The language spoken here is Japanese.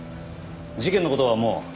事件の事はもう。